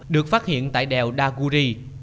được phát hiện tại đèo đa guri